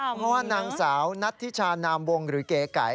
เพราะว่านางสาวนัทธิชานามวงหรือเก๋ไก่